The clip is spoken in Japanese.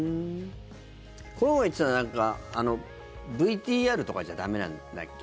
この前、言ってたなんかＶＴＲとかじゃ駄目なんだっけ？